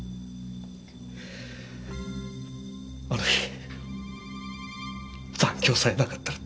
あの日残業さえなかったらって。